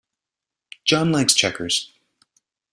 John likes checkers.